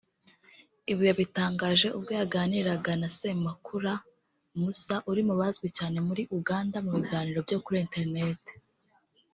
Ibi yabitangaje ubwo yaganiraga na Semakula Musa uri mu bazwi cyane muri Uganda mu biganiro byo kuri ‘internet’